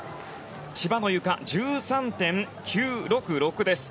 千葉のゆか１３．９６６です。